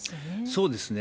そうですね。